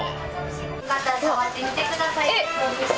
よかったら触ってみてください、かつお節。